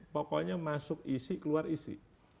pokoknya masuk isi keluar isi